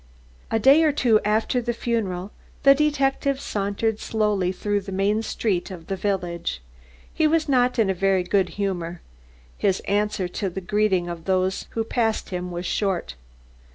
A day or two after the funeral the detective sauntered slowly through the main street of the village. He was not in a very good humour, his answer to the greeting of those who passed him was short.